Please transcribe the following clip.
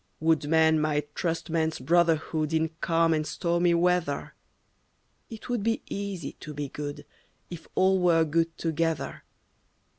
Would man might trust man's brotherhood In calm and stormy weather. It would be easy to be good If all were good together.